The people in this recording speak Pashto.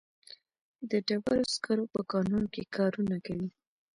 د ډبرو سکرو په کانونو کې کارونه کوي.